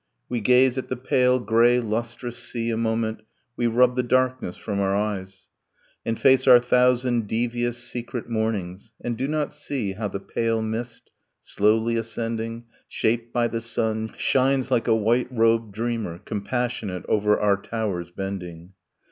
We gaze at the pale grey lustrous sea a moment, We rub the darkness from our eyes, And face our thousand devious secret mornings ... And do not see how the pale mist, slowly ascending, Shaped by the sun, shines like a white robed dreamer Compassionate over our towers bending.